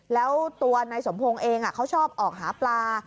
แล้วตัวนายสมพงศ์เองเขาชอบออกหาปลา